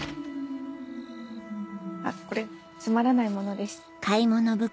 あっこれつまらないものです。